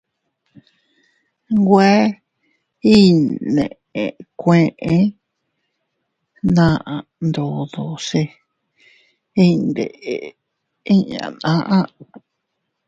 Nwe iynèkueʼe naʼa ndodo se iyndeʼe inña naʼa.